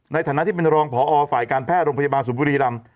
ในฐานะที่เป็นรองพอฝ่ายการแพทย์โรงพยาบาลศูนย์บุรีรำ